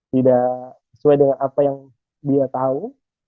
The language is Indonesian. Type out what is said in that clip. tidak sesuai dengan apa yang dia tahu